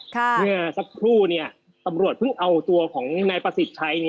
เมื่อสักครู่ตำรวจเพิ่งเอาตัวของนายประสิทธิ์ชัย